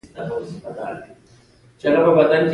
د دعا ارزښت د زړونو دوا ده.